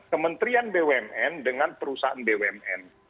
kementerian bumn dengan perusahaan bumn